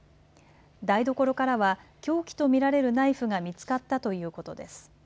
台所からは凶器と見られるナイフが見つかったということです。